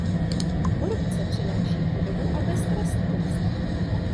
Korupce přináší chudobu a beztrestnost.